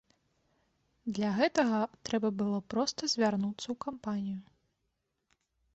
Для гэтага трэба было проста звярнуцца ў кампанію.